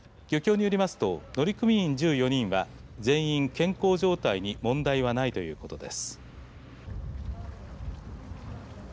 漁協によりますと乗組員１４人は全員健康状態に問題はないということです。